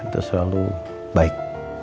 itu selalu baik